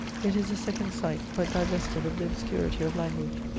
It is a second sight, but divested of the obscurity of language.